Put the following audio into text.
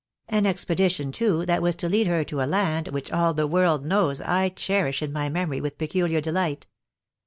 An expedition, too, that was to lead her to a land which all the world knows I cherish in my memory with peculiar delight